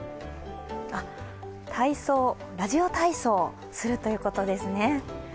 あっ、体操、ラジオ体操するということですね。